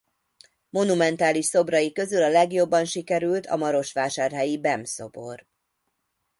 Monumentális szobrai közül a legjobban sikerült a marosvásárhelyi Bem-szobor.